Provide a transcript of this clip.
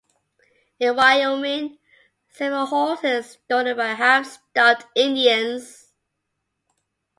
In Wyoming, several horses are stolen by half-starved Indians.